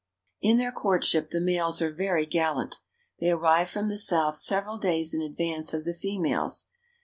In their courtship the males are very gallant. They arrive from the south several days in advance of the females.